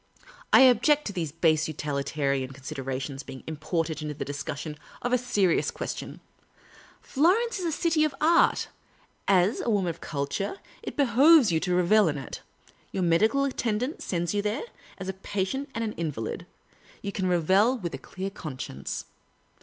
" I object to these base utilitarian considera tions being imported into the discussion of a serious ques tion. Florence is the city of art ; as a woman of culture, it behoves you to revel in it. Your medical attendant sends you there ; as a patient and an invalid, you can revel with a clear conscience.